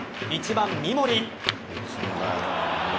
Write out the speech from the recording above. １番・三森。